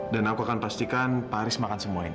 dan aku akan pastikan pak haris makan semua ini